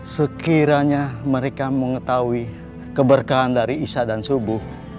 sekiranya mereka mengetahui keberkahan dari isya dan subuh